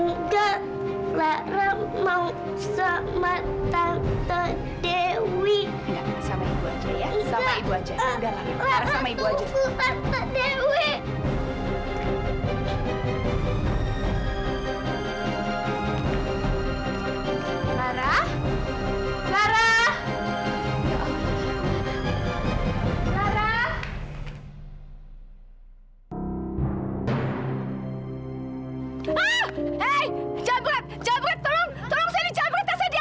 enggak kalau kalian enggak sama liga ya